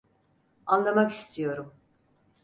Anlamak istiyorum.